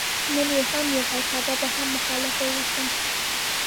نن يې هم يم او سبا به هم مخالف واوسم.